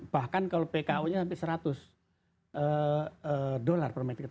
bahkan kalau pko nya sampai seratus dolar per meter